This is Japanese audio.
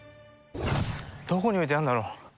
どこに置いてあんだろう。